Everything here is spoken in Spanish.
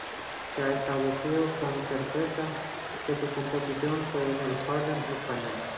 Se ha establecido con certeza que su composición fue en el Harlem Español.